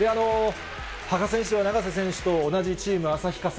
羽賀選手は永瀬選手と同じチーム、旭化成。